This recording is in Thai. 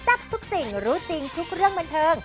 ทับทุกสิ่งรู้จริงทุกเรื่องบันเทิง